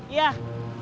iya siap teh